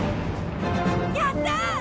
やったー！